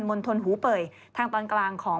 ณฑลหูเป่ยทางตอนกลางของ